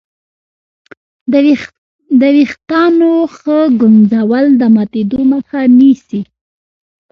د وېښتانو ښه ږمنځول د ماتېدو مخه نیسي.